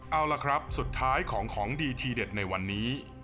เอาล่ะครับสุดท้ายของของดีทีเด็ดในวันนี้